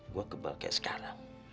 gue kebal kayak sekarang